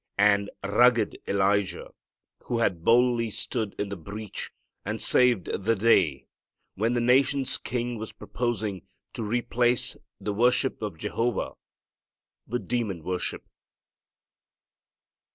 And rugged Elijah, who had boldly stood in the breach and saved the day when the nation's king was proposing to replace the worship of Jehovah with demon worship.